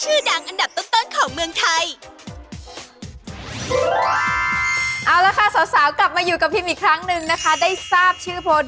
เอาละค่ะสาวกลับมาอยู่กับพิมอีกครั้งนึงนะคะได้ทราบชื่อโพลดินท์